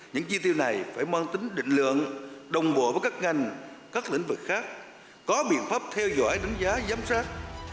những chi tiêu này phải mang tính định lượng đồng bộ với các ngành các lĩnh vực khác có biện pháp theo dõi đánh giá giám sát